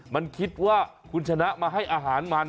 มันคิดว่าคุณชนะมาให้อาหารมัน